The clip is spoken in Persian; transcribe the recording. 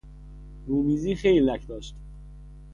رومیزی خیلی لک داشت.